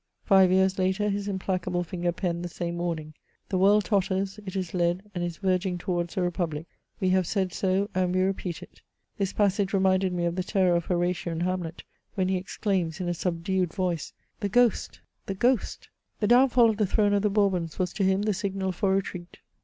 Five years later, his implacable finger penned the same warning. ''The world totters; it is. led, and is verging towards a republic, we have said so and we repeat it!*' This passage reminded me of the terror of Horatio in Hamlet, when he exclaims in a subdued voice, "The ghost! — the ghost !" The downfal of the throne of the Bourbons was to him the signal for retreat.